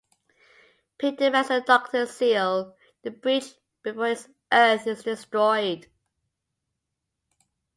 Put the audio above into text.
Pete demands the Doctor seal the breach before his Earth is destroyed.